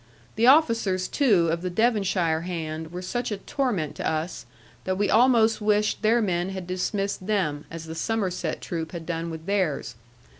The officers too of the Devonshire hand were such a torment to us, that we almost wished their men had dismissed them, as the Somerset troop had done with theirs.